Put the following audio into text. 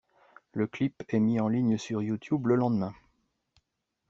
Le clip est mis en ligne sur Youtube le lendemain.